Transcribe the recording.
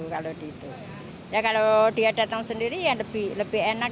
kalau dia datang sendiri ya lebih enak